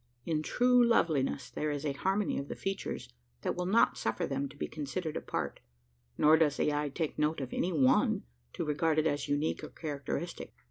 In true loveliness there is a harmony of the features that will not suffer them to be considered apart; nor does the eye take note of any one, to regard it as unique or characteristic.